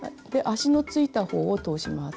足のついた方を通します。